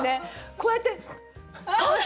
こうやってあっ！